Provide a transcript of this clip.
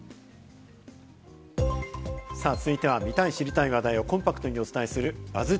続いては見たい、知りたい話題をコンパクトにお伝えするＢＵＺＺ